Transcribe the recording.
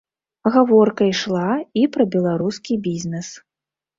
Гаворка ішла і пра беларускі бізнес.